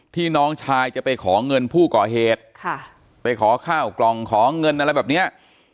น้องชายจะไปขอเงินผู้ก่อเหตุค่ะไปขอข้าวกล่องขอเงินอะไรแบบเนี้ย